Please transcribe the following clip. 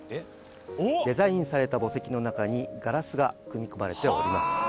デザインされた墓石の中に、ガラスが組み込まれております。